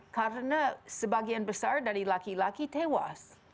karena sebagian besar dari laki laki tewas